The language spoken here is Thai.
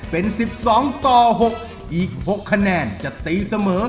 เป็นสิบสองต่อหกอีกหกคะแนนจะตีเสมอ